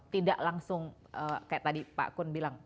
tidak langsung kayak tadi pak kun bilang